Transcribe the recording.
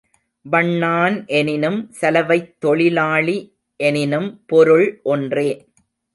வண்ணான் எனினும் சலவைத் தொழிலாளி எனினும் பொருள் ஒன்றே.